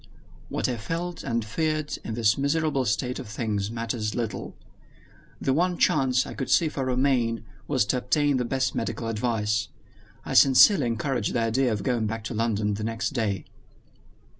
What I felt and feared in this miserable state of things matters little. The one chance I could see for Romayne was to obtain the best medical advice. I sincerely encouraged his idea of going back to London the next day.